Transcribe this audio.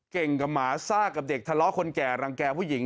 กับหมาซ่ากับเด็กทะเลาะคนแก่รังแก่ผู้หญิง